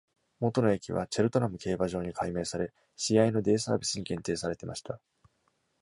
元の駅はチェルトナム競馬場に改名され、試合のデイサービスに限定されていました。